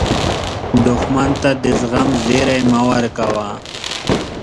دښمن ته د زغم زیری مه ورکوه